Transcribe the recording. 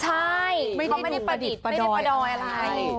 ใช่มันไม่ได้ประดิษฐ์มันไม่ได้อะไร